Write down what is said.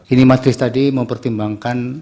ini mas di mana tadi mempertimbangkan